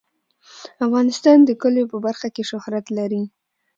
افغانستان د کلیو په برخه کې شهرت لري.